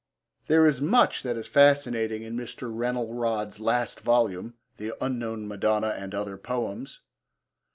There is much that is fascinating in Mr. Rennell Rodd's last volume, The Unknown Madonna and Other Poems.